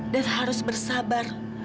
dan harus bersabar